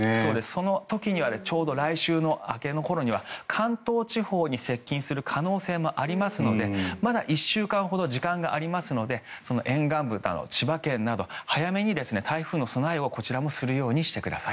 その時にはちょうど来週の明けの頃には関東地方に接近する可能性もありますのでまだ１週間ほど時間がありますので沿岸部など、千葉県など早めに台風の備えをこちらもするようにしてください。